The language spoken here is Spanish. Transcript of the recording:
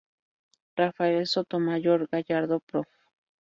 Rafael Sotomayor Gallardo, Prof.